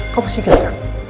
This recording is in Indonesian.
kamu pasti ingat kan